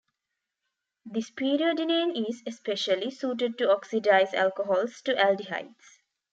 This periodinane is especially suited to oxidize alcohols to aldehydes.